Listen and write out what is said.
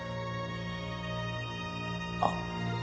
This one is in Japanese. あっ。